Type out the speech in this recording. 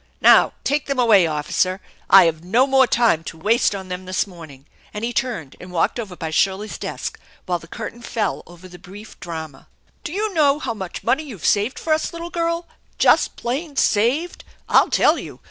Now, take them away, officer. I've no more time to waste on them this morning !" and he turned and walked over by Shirley's desk, while the curtain fell over the brief drama. "Do jou know how much money you've saved for us, little girl, just plain saved ? I'll tell you.